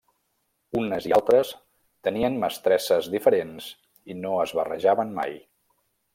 Unes i altres tenien mestresses diferents i no es barrejaven mai.